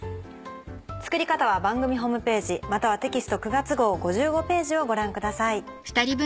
作り方は番組ホームページまたはテキスト９月号５５ページをご覧ください。